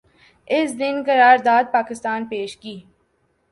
اس دن قرارداد پاکستان پیش کی